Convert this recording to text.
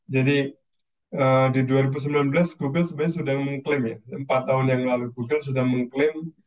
jadi di dua ribu sembilan belas google sebenarnya sudah mengklaim empat tahun yang lalu google sudah mengklaim